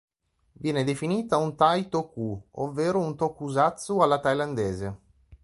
Viene definita un "thai-toku", ovvero un tokusatsu alla thailandese.